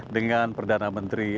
dengan perdana menteri malaysia